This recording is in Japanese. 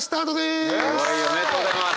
おめでとうございます！